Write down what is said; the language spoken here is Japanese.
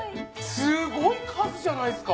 すごい数じゃないですか。